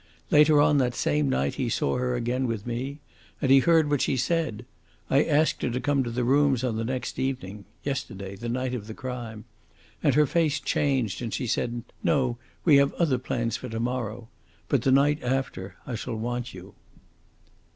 Later on that same night he saw her again with me, and he heard what she said. I asked her to come to the rooms on the next evening yesterday, the night of the crime and her face changed, and she said, 'No, we have other plans for to morrow. But the night after I shall want you.'"